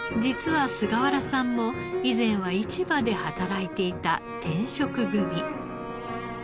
実は菅原さんも以前は市場で働いていた転職組。